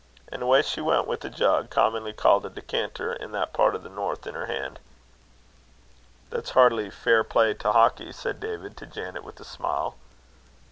And away she went with a jug, commonly called a decanter in that part of the north, in her hand. "That's hardly fair play to Hawkie," said David to Janet with a smile.